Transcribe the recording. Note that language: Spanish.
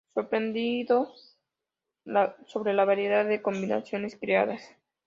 Sorprendiendo la variedad de combinaciones creadas.